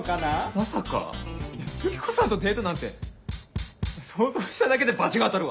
まさかユキコさんとデートなんて想像しただけで罰が当たるわ。